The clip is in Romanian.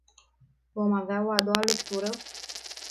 Vom avea o a doua lectură?